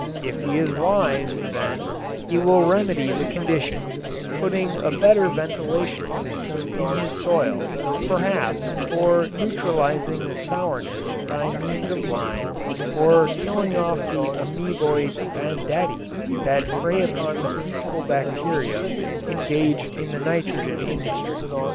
If he is wise, then, he will remedy the conditions, putting a better ventilation system in his soil perhaps or neutralizing the sourness by means of lime or killing off the ameboid banditti that prey upon the peaceful bacteria engaged in the nitrogen industry.